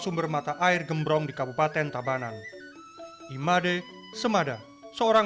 meeting seram dwa kapung asal getah